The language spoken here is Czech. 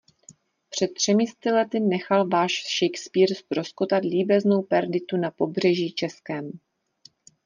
Před třemi sty lety nechal váš Shakespeare ztroskotat líbeznou Perditu na pobřeží českém.